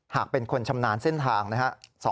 หากเป็นคนชำนาญเส้นทางนะครับ